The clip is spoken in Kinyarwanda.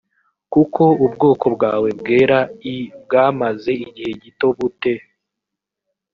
kuko ubwoko bwawe bwera l bwamaze igihe gito bu te